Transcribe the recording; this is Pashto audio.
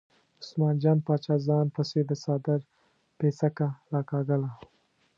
عثمان جان باچا ځان پسې د څادر پیڅکه راکاږله.